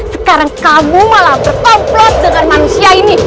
sekarang kamu malah berkomplot dengan manusia ini